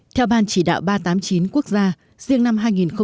theo ban chỉ đạo ba trăm tám mươi chín quốc gia riêng năm hai nghìn một mươi tám